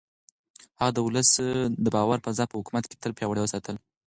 هغه د ولس د باور فضا په حکومت کې تل پياوړې وساتله.